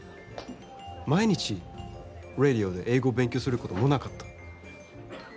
毎日、ラジオで英語を勉強することもなかった。